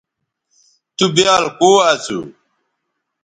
تُو بیال کو اسو